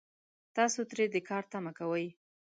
تاسو ترې د کار تمه کوئ